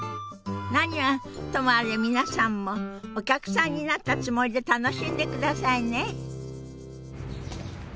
何はともあれ皆さんもお客さんになったつもりで楽しんでくださいね。